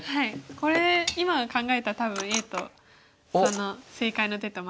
これ今考えたら多分Ａとその正解の手と迷うと思います。